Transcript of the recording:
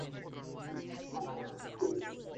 "Salvictor" was built by Wm.